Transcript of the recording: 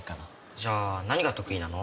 じゃあ何が得意なの？